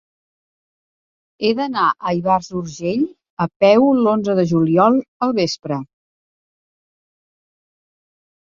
He d'anar a Ivars d'Urgell a peu l'onze de juliol al vespre.